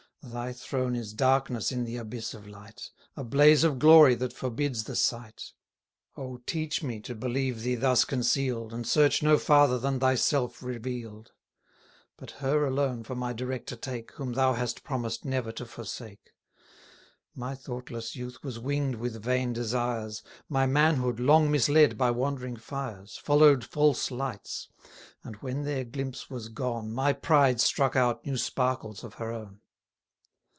Thy throne is darkness in the abyss of light, A blaze of glory that forbids the sight. O teach me to believe thee thus conceal'd, And search no farther than thyself reveal'd; But her alone for my director take, 70 Whom thou hast promised never to forsake! My thoughtless youth was wing'd with vain desires; My manhood, long misled by wandering fires, Follow'd false lights; and when their glimpse was gone, My pride struck out new sparkles of her own.